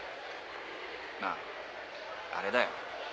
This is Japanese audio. まぁあれだよ。